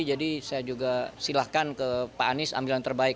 jadi saya juga silakan ke pak anies ambilan terbaik